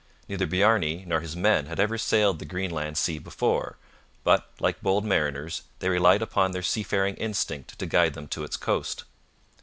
Neither Bjarne nor his men had ever sailed the Greenland sea before, but, like bold mariners, they relied upon their seafaring instinct to guide them to its coast.